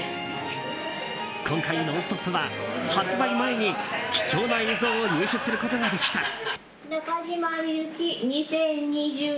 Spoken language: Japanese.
今回、「ノンストップ！」は発売前に貴重な映像を入手することができた。